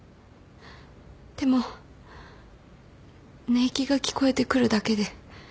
でも寝息が聞こえてくるだけで。